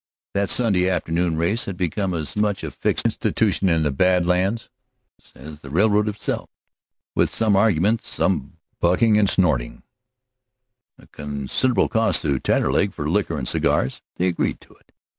That Sunday afternoon race had become as much a fixed institution in the Bad Lands as the railroad itself. With some argument, some bucking and snorting, a considerable cost to Taterleg for liquor and cigars, they agreed to it.